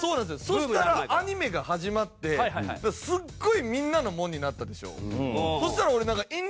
そしたらアニメが始まってすっごいみんなのものになったでしょ。